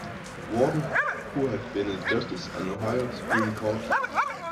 Warden, who had been a justice on the Ohio Supreme Court.